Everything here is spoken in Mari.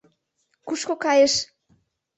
Кушко кайыш?